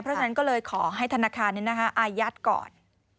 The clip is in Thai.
เพราะฉะนั้นก็เลยขอให้ธนาคารอายัดก่อน